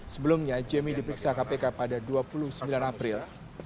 sebelumnya jemi diperiksa kpk pada dua puluh sembilan april